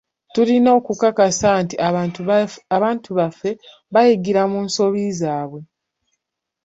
Tulina okukakasa nti abantu baffe bayigira mu nsobi zaabwe.